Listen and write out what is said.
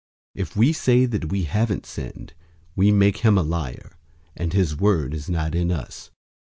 001:010 If we say that we haven't sinned, we make him a liar, and his word is not in us.